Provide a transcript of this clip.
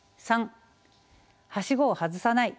３はしごを外さない。